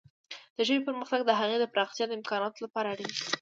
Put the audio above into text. د ژبې پرمختګ د هغې د پراختیا د امکاناتو لپاره اړین دی.